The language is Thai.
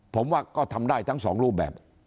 ผมว่าก็ทำได้ทั้งสองรูปแบบ